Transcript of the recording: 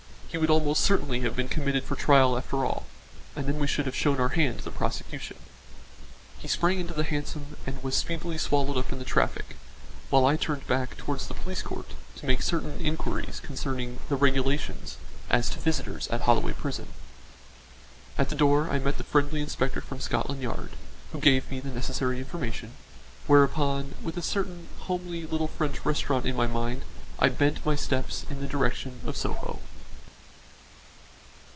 He would almost certainly have been committed for trial after all, and then we should have shown our hand to the prosecution." He sprang into the hansom and was speedily swallowed up in the traffic, while I turned back towards the police court to make certain inquiries concerning the regulations as to visitors at Holloway prison. At the door I met the friendly inspector from Scotland Yard, who gave me the necessary information, whereupon with a certain homely little French restaurant in my mind I bent my steps in the direction of Soho.